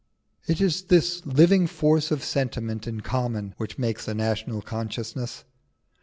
It is this living force of sentiment in common which makes a national consciousness.